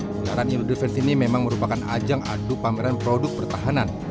pembaran indodefense ini memang merupakan ajang adu pameran produk pertahanan